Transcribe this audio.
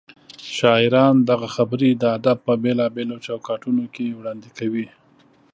شاعران دغه خبرې د ادب په بېلابېلو چوکاټونو کې وړاندې کوي.